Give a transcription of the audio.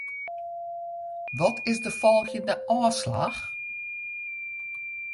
Wat is de folgjende ôfslach?